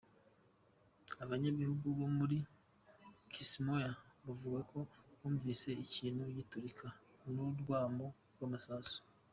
Abanyagihugu bo muri Kismayo bavuga ko bumvise ikintu giturika, n'urwamo rw'amasasu.